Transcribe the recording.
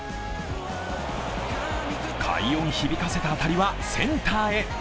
快音響かせた当たりはセンターへ。